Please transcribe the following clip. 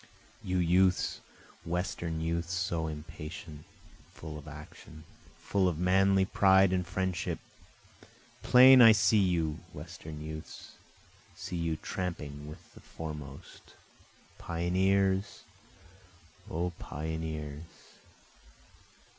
O you youths, Western youths, So impatient, full of action, full of manly pride and friendship, Plain I see you Western youths, see you tramping with the foremost, Pioneers! O pioneers!